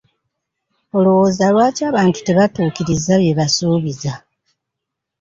Olowooza lwaki abantu tebatuukiriza bye basuubiza?